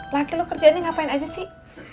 lagi lo kerjaannya ngapain aja sih